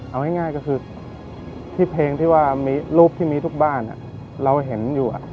เอาง่ายก็คือที่เพลงที่ว่ามีรูปที่มีทุกบ้านเราเห็นอยู่